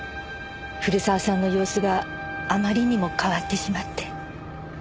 古澤さんの様子があまりにも変わってしまって。